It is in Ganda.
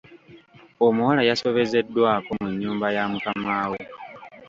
Omuwala yasobezeddwako mu nnyumba ya mukama we.